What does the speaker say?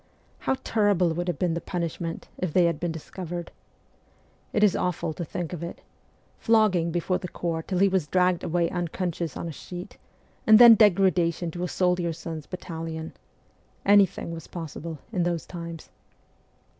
How terrible would have been the punishment, if they had been discovered. It is awful to think of it : flogging before the corps till he was carried away unconscious on a sheet, and then degradation to a soldiers' sons' battalion anything was possible, in those times.